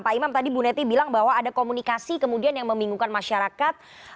pak imam tadi bu neti bilang bahwa ada komunikasi kemudian yang membingungkan masyarakat